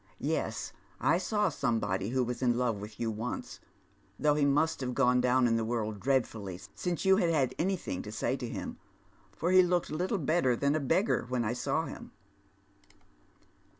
Yes, I saw somebody who was in love witli you once, though he nmst have gone down in the world dreadfully since you had had anything to say to him, for he looked little better than a beggar when I saw him."